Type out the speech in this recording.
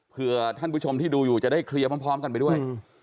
เพื่อท่านผู้ชมที่ดูอยู่จะได้เคลียร์พร้อมกันไปด้วย